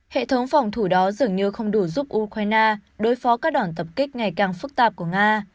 hệ thống phòng thủ đó dường như không đủ giúp ukraine đối phó các đoàn tập kích ngày càng phức tạp của nga